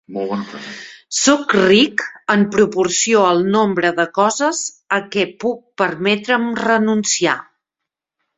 Soc ric en proporció al nombre de coses a què puc permetre'm renunciar.